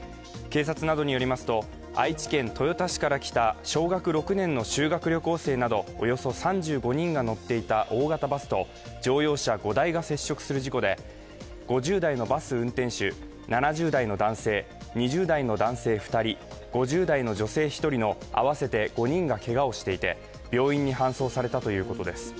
警察などによりますと愛知県豊田市から来た小学６年の修学旅行生などおよそ３５人が乗っていた大型バスと乗用車５台が接触する事故で、５０代のバス運転手、７０代の男性、２０代の男性２人、５０代の女性１人の合わせてて５人がけがをしていて病院に搬送されたということです。